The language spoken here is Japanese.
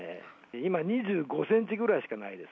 今、２５センチぐらいしかないです。